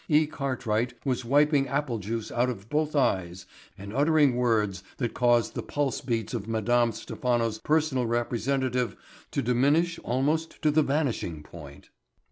E. Cartwright was wiping apple juice out of both eyes and uttering words that caused the pulse beats of Madame Stephano's personal representative to diminish almost to the vanishing point.